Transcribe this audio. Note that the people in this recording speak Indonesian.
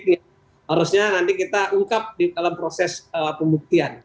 harusnya nanti kita ungkap dalam proses pemuktian